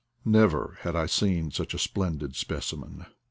Never had I seen such a splendid speci men!